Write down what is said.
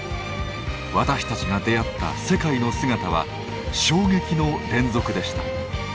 私たちが出会った世界の姿は衝撃の連続でした。